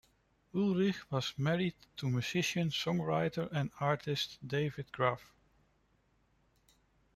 Ulrich was married to musician, songwriter and artist David Graff.